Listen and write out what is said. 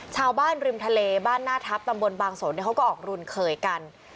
ชาวบ้านริมทะเลบ้านหน้าทัพตำบลบางสนเขาก็ออกรุนเคยกัน